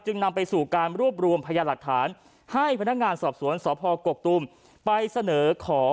นำไปสู่การรวบรวมพยาหลักฐานให้พนักงานสอบสวนสพกกตูมไปเสนอขอ